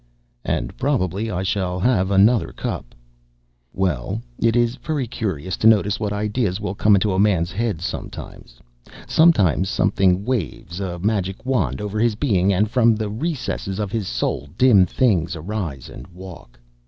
and probably I shall have another cup. Well, it is very curious to notice what ideas will come into a man's head sometimes. Sometimes something waves a magic wand over his being, and from the recesses of his soul dim things arise and walk.